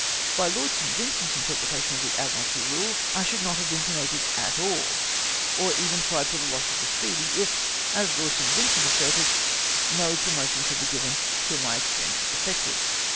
By Lord St. Vincent's interpretation of the Admu^alty rule, I should not have been promoted at cdl, or even tried for the loss of the Sjjeedy, if, as Lord St. Vincent asserted, no promotion could be given till " my ex change was effected."